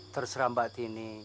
terserah mbak tini